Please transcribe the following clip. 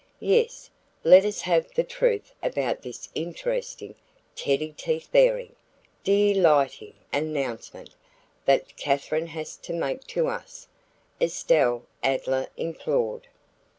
"Yes, let us have the truth about this interesting, Teddy teeth baring, dee light ing announcement that Katherine has to make to us," Estelle Adler implored.